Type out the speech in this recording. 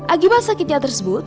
akibat sakitnya tersebut